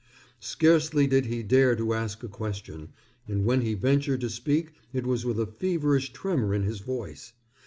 Scarcely did he dare to ask a question, and when he ventured to speak it was with a feverish tremor in his voice.